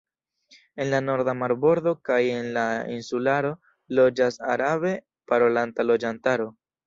En la norda marbordo kaj en la insularo loĝas arabe parolanta loĝantaro.